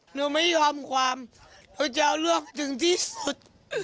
หนูไม่ยอมความหนูจะเอาเรื่องถึงที่สุด